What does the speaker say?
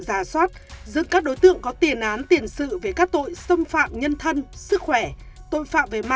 rà soát giữ các đối tượng có tiền án tiền sự về các tội xâm phạm nhân thân sức khỏe tội phạm